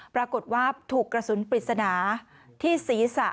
ปรากฏว่าถูกกระสุนปริศนาที่ศีรษะ